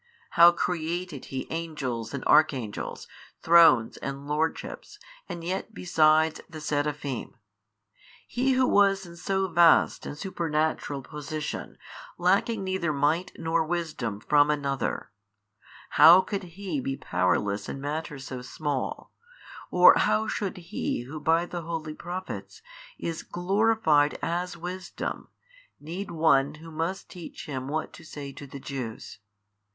how created He angels and Archangels Thrones and Lordships and yet besides, the Seraphim? He Who was in so vast and supernatural position, lacking neither Might nor Wisdom from another, how could He be powerless in matters so small, or how should He Who by the holy Prophets is glorified as Wisdom need one who must teach Him what to say to the Jews?